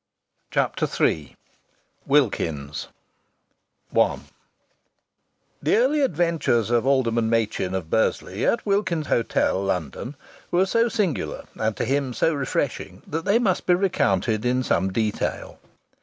CHAPTER III WILKINS'S I The early adventures of Alderman Machin of Bursley at Wilkins's Hotel, London, were so singular, and to him so refreshing, that they must be recounted in some detail.